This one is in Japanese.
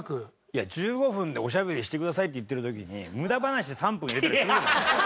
１５分でおしゃべりしてくださいって言ってる時に無駄話３分入れたりするじゃないですか。